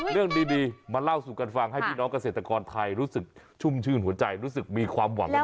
เรื่องดีมาเล่าสู่กันฟังให้พี่น้องเกษตรกรไทยรู้สึกชุ่มชื่นหัวใจรู้สึกมีความหวัง